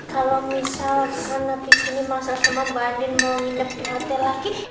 kalau misalkan nanti sini masal sama mbak andin mau minum pate lagi